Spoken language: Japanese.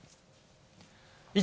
以上、